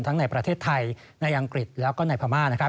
ทั้งในประเทศไทยในอังกฤษแล้วก็ในพม่า